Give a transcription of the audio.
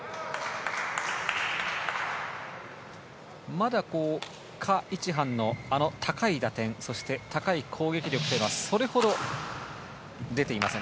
まだカ・イチハンのあの高い打点そして高い攻撃力というのはそれほど出ていません。